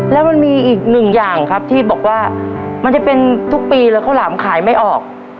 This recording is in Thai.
แล้วมันมีอีกหนึ่งอย่างครับที่บอกว่ามันจะเป็นทุกปีแล้วข้าวหลามขายไม่ออก